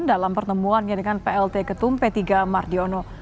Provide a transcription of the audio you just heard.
dalam pertemuannya dengan plt ketum p tiga mardiono